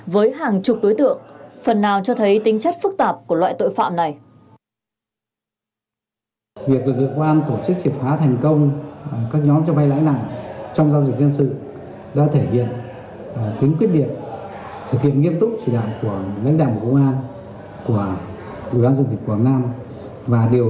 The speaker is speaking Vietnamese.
với hàng chục đối tượng phần nào cho thấy tính chất phức tạp của loại tội phạm này